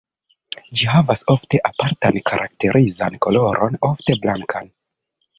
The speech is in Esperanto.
Ĝi havas ofte apartan karakterizan koloron ofte blankan.